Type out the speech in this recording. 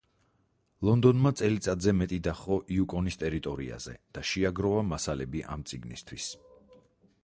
ლონდონმა წელიწადზე მეტი დაჰყო იუკონის ტერიტორიაზე და შეაგროვა მასალები ამ წიგნისთვის.